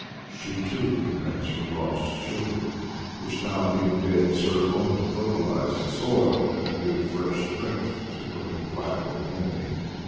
She, too, laments her lost children, which now, being dead, serve only to fertilize the soil and give fresh strength to her implacable enemy.